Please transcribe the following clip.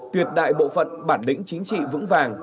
tuyệt đại bộ phận bản lĩnh chính trị vững vàng